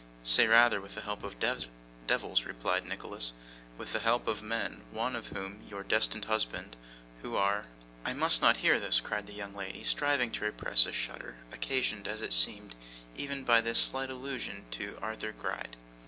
'Say rather with the help of devils,' replied Nicholas, 'with the help of men, one of them your destined husband, who are ' 'I must not hear this,' cried the young lady, striving to repress a shudder, occasioned, as it seemed, even by this slight allusion to Arthur Gride.